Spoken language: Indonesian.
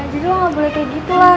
jadi lo enggak boleh kayak gitu lah